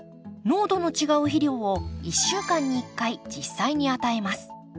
濃度の違う肥料を１週間に１回実際に与えます。